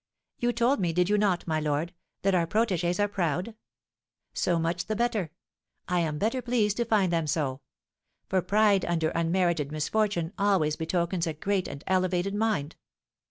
You told me, did you not, my lord, that our protégées are proud? So much the better. I am better pleased to find them so; for pride under unmerited misfortune always betokens a great and elevated mind.